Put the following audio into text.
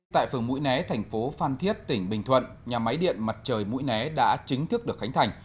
tại phường mũi né thành phố phan thiết tỉnh bình thuận nhà máy điện mặt trời mũi né đã chính thức được khánh thành